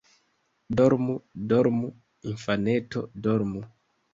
Dormu, dormu, infaneto, Dormu!